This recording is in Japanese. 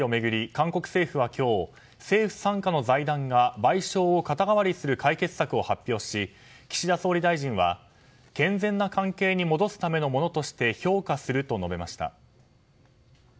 韓国政府は今日政府傘下の財団が賠償を肩代わりする解決策を発表し岸田総理大臣は健全な関係に戻すためのものとして評価すると述べました。